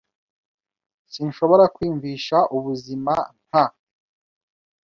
Sinshobora kwiyumvisha ubuzima nta .